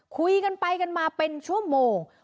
คุยกันไปกันมาเป็นชั่วโมง